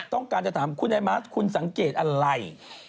ด้วยการจะถามคุณยายมา๊คคุณสังเกตอะไร